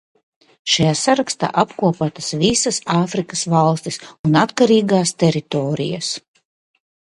Šajā sarakstā apkopotas visas Āfrikas valstis un atkarīgās teritorijas.